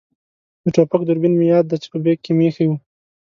د ټوپک دوربین مې یاد دی چې په بېک کې مې اېښی وو.